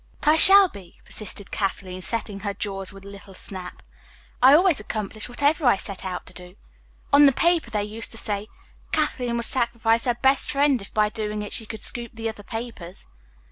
"But I shall be," persisted Kathleen, setting her jaws with a little snap. "I always accomplish whatever I set out to do. On the paper they used to say, 'Kathleen would sacrifice her best friend if by doing it she could scoop the other papers.'"